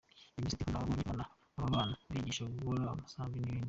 Yagize ati “ Nk’ubu nabanye n’aba bana, mbigisha kuboha umusambi n’ibindi.